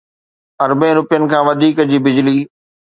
اربين رپين کان وڌيڪ جي بجلي